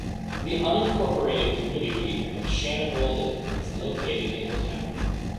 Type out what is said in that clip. The unincorporated community of Shanagolden is located in the town.